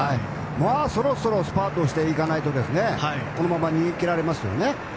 そろそろスパートしていかないとこのまま逃げ切られますね。